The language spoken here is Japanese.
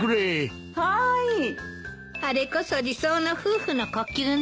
あれこそ理想の夫婦の呼吸ね。